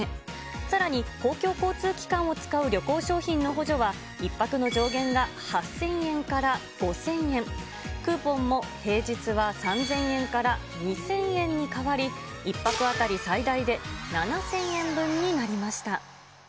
さらに、公共交通機関を使う旅行商品の補助は、１泊の上限が８０００円から５０００円、クーポンも平日は３０００円から２０００円に変わり、１泊当たり最大で７０００円分になりました。